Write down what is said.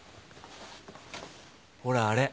ほらあれ。